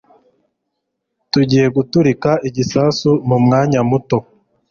Tugiye guturika igisasu mumwanya muto.